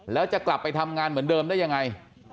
แล้วจะกลับไปทำงานเหมือนเดิมได้ยังไง